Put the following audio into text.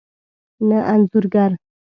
نه انځور ګر